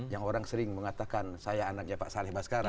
yang orang sering mengatakan saya anaknya pak saleh baskara